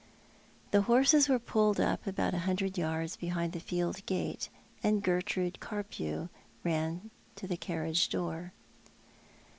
The horses were pulled up about a hundred yards beyond the field gate, and Gertrude Carpew ran to the carriage door.